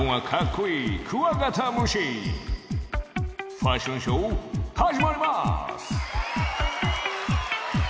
ファッションショーはじまります！